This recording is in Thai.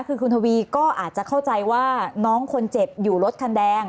คือคุณทวีก็อาจจะเข้าใจว่าน้องคนเจ็บอยู่รถคันแดง